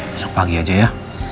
besok pagi aja ya